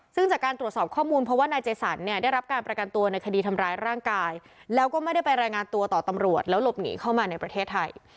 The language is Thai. ซึ่งจากการตรวจสอบข้อมูลเพราะว่านายเจสันเนี่ยได้รับการประกันตัวในคดีทำร้ายร่างกายแล้วก็ไม่ได้ไปรายงานตัวต่อตำรวจแล้วหลบหนีเข้ามาในประเทศไทย